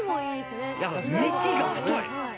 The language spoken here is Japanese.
幹が太い。